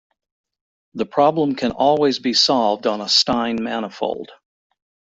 The problem can always be solved on a Stein manifold.